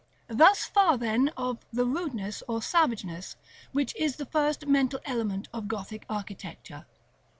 Thus far then of the Rudeness or Savageness, which is the first mental element of Gothic architecture.